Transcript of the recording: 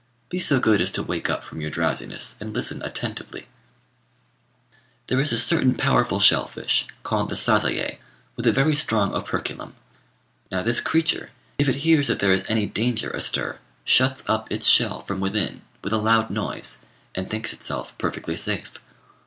Be so good as to wake up from your drowsiness, and listen attentively. [Footnote 90: Literally, "a dance of the Province of Tosa."] There is a certain powerful shell fish, called the Sazayé, with a very strong operculum. Now this creature, if it hears that there is any danger astir, shuts up its shell from within, with a loud noise, and thinks itself perfectly safe.